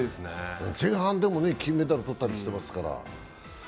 前半でも金メダル取ったりしていますから。